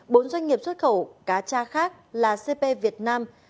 bốn doanh nghiệp xuất khẩu cá cha khác là cp việt nam